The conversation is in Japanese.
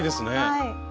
はい！